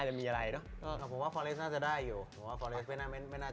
เกมลุกมัน